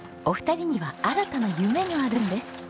お二人には新たな夢があるんです。